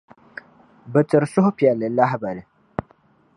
bɛ tiri suhupεlli lahibali.